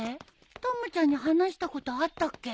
たまちゃんに話したことあったっけ？